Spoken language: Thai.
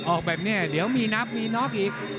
ออกแบบนี้เดี๋ยวมีนับมีน็อกอีก